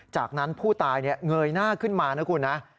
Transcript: จากนั้นผู้ตายเงยหน้าขึ้นมานะคุณนะ